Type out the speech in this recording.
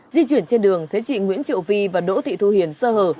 di chuyển trên đường thế trị nguyễn triệu vi và đỗ thị thu hiền sơ hở